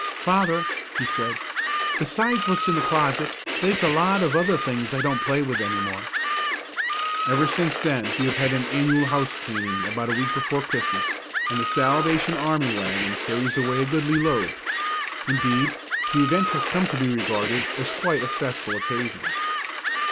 "Father," he said, "besides what's in the closet, they's a lot of other things I don't play with any more." Ever since then we have had an annual house cleaning about a week before Christmas, and the Salvation Army wagon carries away a goodly load. Indeed, the event has come to be regarded as quite a festal occasion.